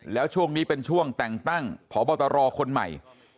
แล้วช่วงนี้เป็นช่วงแต่งตั้งพบตรคนใหม่